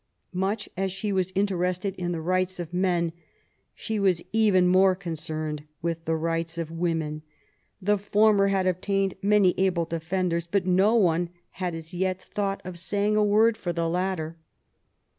Much as she was interested in the rights of men, she was even more concerned with the rights of women : the former had obtained many able de fenders, but no one had as yet thought of saying a word for the latter.